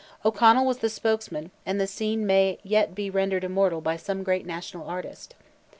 O'Connell was the spokesman, and the scene may yet be rendered immortal by some great national artist.